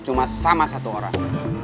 cuma sama satu orang